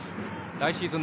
来シーズン